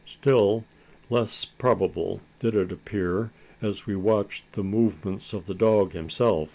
Still less probable did it appear, as we watched the movements of the dog himself.